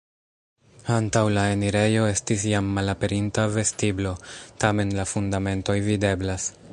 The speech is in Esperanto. Antaŭ la enirejo estis jam malaperinta vestiblo, tamen la fundamentoj videblas.